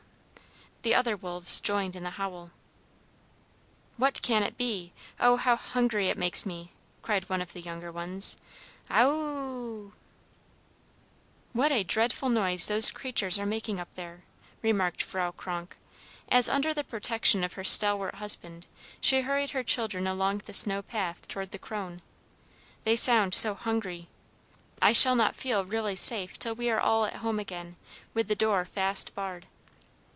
The other wolves joined in the howl. "What can it be? Oh, how hungry it makes me!" cried one of the younger ones. "O w w w!" "What a dreadful noise those creatures are making up there," remarked Frau Kronk as, under the protection of her stalwart husband, she hurried her children along the snow path toward the Kröne. "They sound so hungry! I shall not feel really safe till we are all at home again, with the door fast barred."